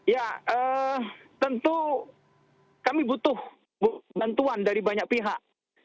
ya tentu kami butuh bantuan dari banyak pihak